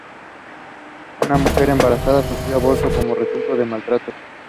Una mujer embarazada sufrió un aborto como resultado de los maltratos.